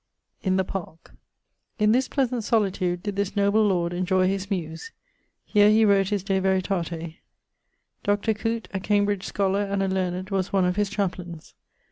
] In the parke. In this pleasant solitude did this noble lord enjoy his muse. Here he wrote his De Veritate. Dr. Coote (a Cambridge scholar and a learned) was one of his chaplains.